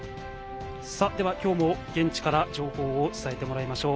今日も現地から情報を伝えてもらいましょう。